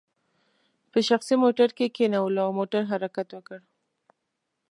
په شخصي موټرو کې یې کینولو او موټرو حرکت وکړ.